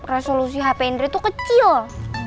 resolusi hape indri tuh kecil